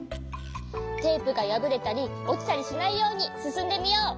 テープがやぶれたりおちたりしないようにすすんでみよう！